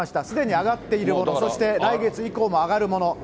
すでに上がっているもの、そして来月以降も上がるもの。